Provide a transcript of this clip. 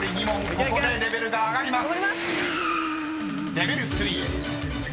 ここでレベルが上がります］